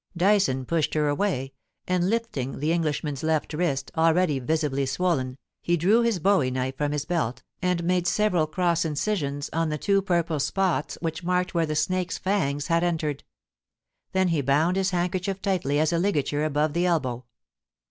Dyson pushed her away, and lifting the Englishman's left wrist, already visibly swollen, he drew his bowie knife from his belt, and made several cross incisions on the two purple spots which marked where the snake's fangs had entered ; then he bound his handkerchief tightly as a ligature above the elbow.